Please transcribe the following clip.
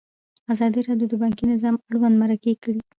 ازادي راډیو د بانکي نظام اړوند مرکې کړي.